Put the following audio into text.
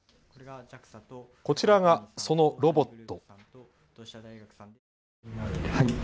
こちらがそのロボット。